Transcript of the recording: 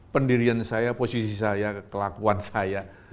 pendirian saya posisi saya kelakuan saya